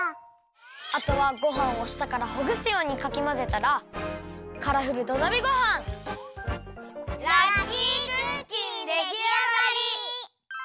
あとはごはんをしたからほぐすようにかきまぜたらラッキークッキンできあがり！